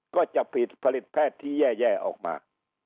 ก็จะผิดผลิตแพทย์ที่แย่ออกมา